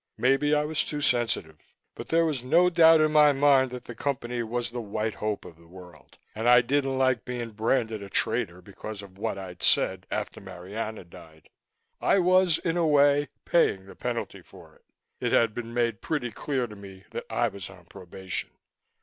Maybe I was too sensitive. But there was no doubt in my mind that the Company was the white hope of the world, and I didn't like being branded a traitor because of what I'd said after Marianna died. I was, in a way, paying the penalty for it it had been made pretty clear to me that I was on probation.